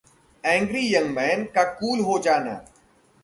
angry young man का cool हो जाना